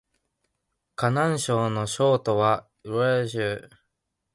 河南省の省都は鄭州